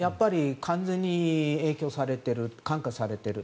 完全に影響されている感化されている。